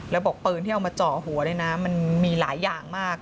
แล้วบอกปืนที่เอามาเจาะหัวเนี่ยนะมันมีหลายอย่างมาก